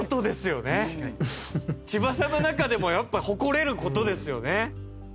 千葉さんの中でもやっぱ誇れる事ですよね？